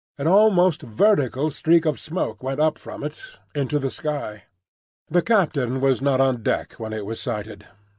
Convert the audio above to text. An almost vertical streak of smoke went up from it into the sky. The captain was not on deck when it was sighted.